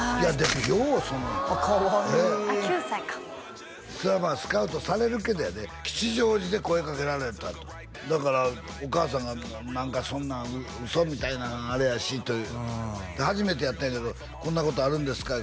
はいあっかわいい９歳かそりゃまあスカウトされるけどやで吉祥寺で声かけられたとだからお母さんが何かそんなん嘘みたいなあれやし初めてやったんやけど「こんなことあるんですか？」